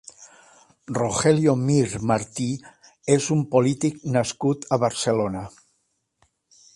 Rogelio Mir Marti és un polític nascut a Barcelona.